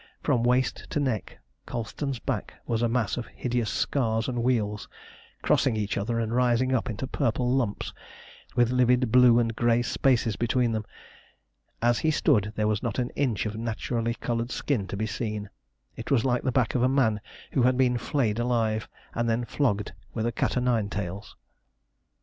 From waist to neck Colston's back was a mass of hideous scars and wheals, crossing each other and rising up into purple lumps, with livid blue and grey spaces between them. As he stood, there was not an inch of naturally coloured skin to be seen. It was like the back of a man who had been flayed alive, and then flogged with a cat o' nine tails.